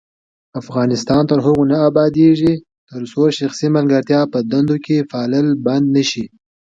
افغانستان تر هغو نه ابادیږي، ترڅو شخصي ملګرتیا په دندو کې پالل بند نشي.